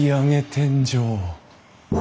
天井。